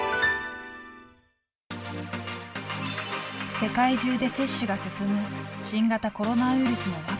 世界中で接種が進む新型コロナウイルスのワクチン。